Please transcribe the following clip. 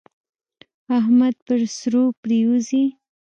احمد پر سرو پرېوزي.